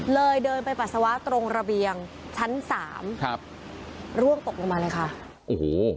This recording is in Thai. เดินไปปัสสาวะตรงระเบียงชั้นสามครับร่วงตกลงมาเลยค่ะโอ้โห